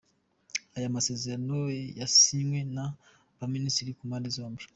Aya masezerano yasinywe na ba Minisitiri ku mpande zombi.